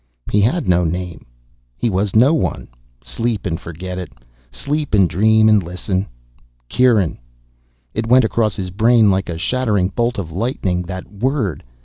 He had no name. He was no one. Sleep and forget it. Sleep and dream and listen "Kieran." It went across his brain like a shattering bolt of lightning, that word.